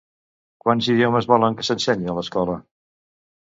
Quants idiomes volen que s'ensenyi a l'escola?